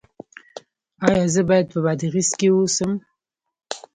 ایا زه باید په بادغیس کې اوسم؟